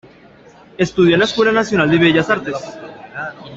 Estudió en la Escuela Nacional de Bellas Artes.